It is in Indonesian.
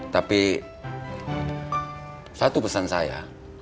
tapi satu pesan saya